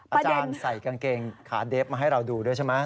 อาจารย์ใส่กางเกงขาเดฟมาให้เราดูด้วยใช่ไหม